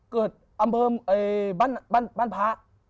เกิดอำเภอบ้านพระ